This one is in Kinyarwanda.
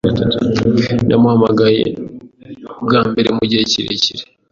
Namuhamagaye bwa mbere mugihe kirekire.